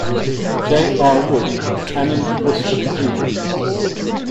J. R. Wood, a canon of Worcester Cathedral.